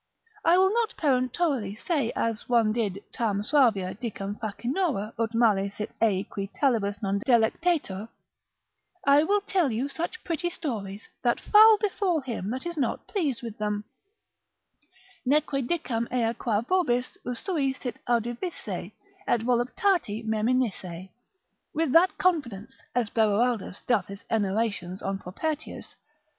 I will not peremptorily say as one did tam suavia dicam facinora, ut male sit ei qui talibus non delectetur, I will tell you such pretty stories, that foul befall him that is not pleased with them; Neque dicam ea quae vobis usui sit audivisse, et voluptati meminisse, with that confidence, as Beroaldus doth his enarrations on Propertius.